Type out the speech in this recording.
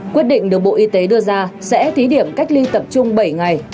quyết định được bộ y tế đưa ra sẽ thí điểm cách ly tập trung bảy ngày